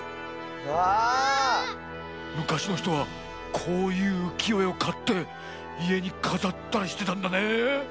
うわあ！むかしのひとはこういううきよえをかっていえにかざったりしてたんだね。